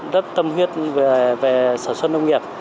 rất tâm huyết về sản xuất nông nghiệp